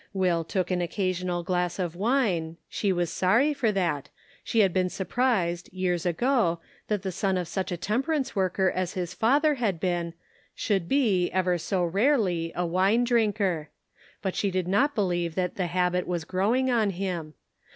Will took an occasional glass of wine, she was sorry for that ; she had been surprised, years ago, that the son of such a temperance worker as his father had been, should be, ever so rarely a wine drinker ; but she did not believe that the habit was growing on him.